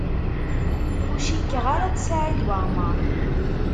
Ur cikkeɣ ara d Saɛid Waɛmaṛ.